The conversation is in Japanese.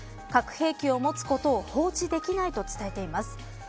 核兵器を持つことを放置できないと伝えています。